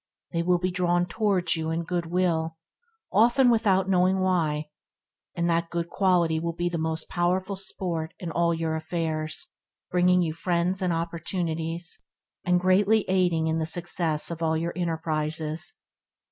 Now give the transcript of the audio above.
They will be drawn towards you in good –will, often without knowing why, and that good quality will be the most powerful sport in all your affairs, bringing you friends and opportunities, and greatly aiding in the success of all your enterprises.